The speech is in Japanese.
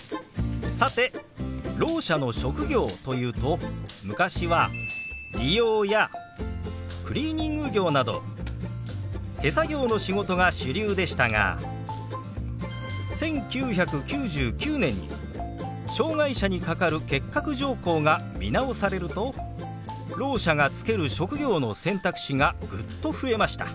さてろう者の職業というと昔は理容やクリーニング業など手作業の仕事が主流でしたが１９９９年に「障害者に係る欠格条項」が見直されるとろう者が就ける職業の選択肢がぐっと増えました。